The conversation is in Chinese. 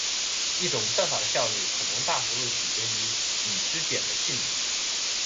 一种算法的效率可能大幅度取决于已知点的性质。